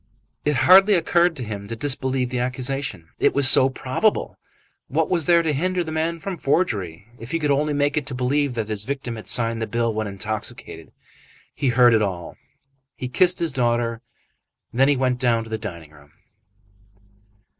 It hardly occurred to him to disbelieve the accusation. It was so probable! What was there to hinder the man from forgery, if he could only make it believed that his victim had signed the bill when intoxicated? He heard it all; kissed his daughter, and then went down to the dining room.